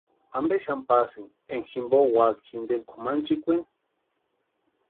¿Ampe xani pasïni énka jimpo úaka jinteni kʼumanchikweni?